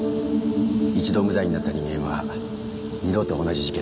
一度無罪になった人間は二度と同じ事件では裁かれません。